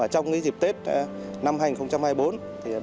trong dịp tết năm hành hai mươi bốn đảng quỳ lãnh đạo con huyện sẽ tiếp tục